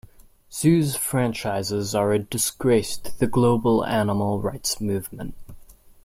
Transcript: Zoos franchises are a disgrace to the global animal rights movement.